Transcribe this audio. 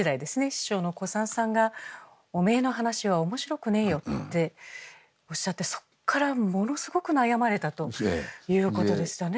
師匠の小さんさんが「お前の噺は面白くねぇよ」っておっしゃってそっからものすごく悩まれたということでしたね。